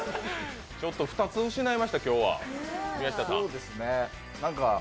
２つ失いました、今日は宮下さん。